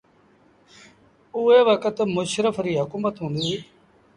اُئي وکت مشرڦ ريٚ هڪومت هُݩديٚ۔